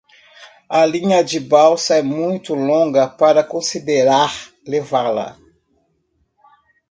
A linha de balsa é muito longa para considerar levá-la.